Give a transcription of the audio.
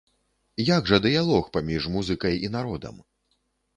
Як жа дыялог паміж музыкай і народам?